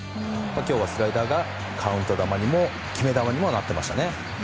今日はスライダーがカウント球にも決め球にもなっていましたね。